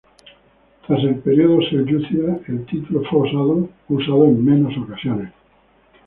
Tras el período selyúcida, el título fue usado en menos ocasiones.